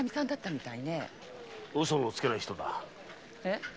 嘘のつけない人だ。